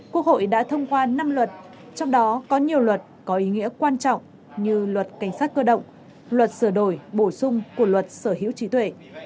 quốc hội đã thông qua năm luật trong đó có nhiều luật có ý nghĩa quan trọng như luật cảnh sát cơ động luật sửa đổi bổ sung của luật sở hữu trí tuệ